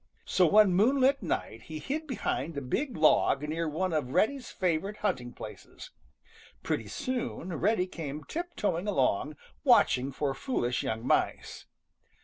So one moonlight night he hid behind a big log near one of Reddy's favorite hunting places. Pretty soon Reddy came tiptoeing along, watching for foolish young mice.